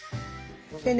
でね